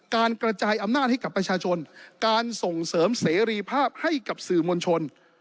การกระจายอำนาจให้กับประชาชนการส่งเสริมเสรีภาพให้กับสื่อมวลชน